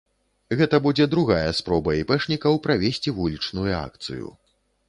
Гэта будзе другая спроба іпэшнікаў правесці вулічную акцыю.